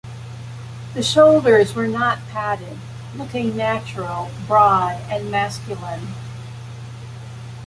The shoulders were not padded, looking natural, broad and masculine.